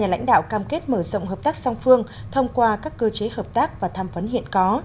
hai nhà lãnh đạo cam kết mở rộng hợp tác song phương thông qua các cơ chế hợp tác và thăm phấn hiện có